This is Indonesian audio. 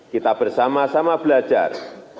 kita bersama sama belajar